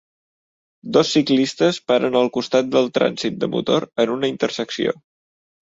Dos ciclistes paren al costat del trànsit de motor en una intersecció.